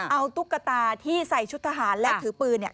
เอาตุ๊กตาที่ใส่ชุดทหารและถือปืนเนี่ย